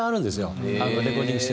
レコーディングしてると。